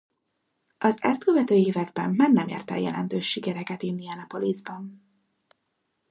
Az ezt követő években már nem ért el jelentős sikereket Indianapolisban.